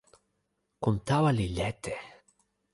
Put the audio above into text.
kon tawa li lete.